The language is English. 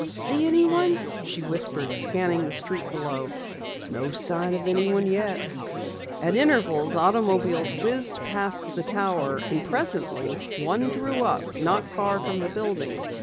"See anyone?" she whispered, scanning the street below. "No sign of anyone yet." At intervals automobiles whizzed past the tower, and presently one drew up not far from the building.